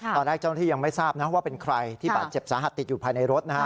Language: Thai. เจ้าหน้าที่ยังไม่ทราบนะว่าเป็นใครที่บาดเจ็บสาหัสติดอยู่ภายในรถนะฮะ